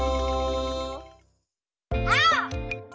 あお！